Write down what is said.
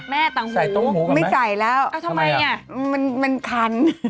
ต่างหูไม่ใส่แล้วทำไมอ่ะมันคัน